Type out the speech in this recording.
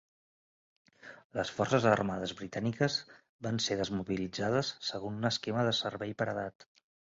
Les forces armades britàniques van ser desmobilitzades segons un esquema de "servei per edat".